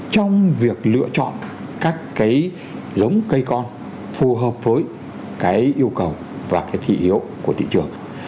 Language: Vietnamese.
trong việc lựa chọn các cái giống cây con phù hợp với cái yêu cầu và cái thị hiếu của thị trường